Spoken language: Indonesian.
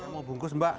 mau bungkus mbak